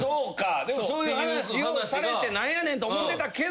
でもそういう話をされて何やねんって思うてたけど。